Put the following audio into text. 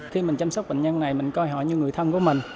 khi mình chăm sóc bệnh nhân này mình coi họ như người thân của mình